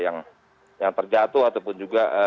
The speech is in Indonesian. yang terjatuh ataupun juga